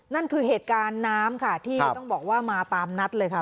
นั่นคือเหตุการณ์น้ำค่ะที่ต้องบอกว่ามาตามนัดเลยค่ะ